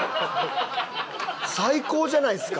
最高じゃないっすか！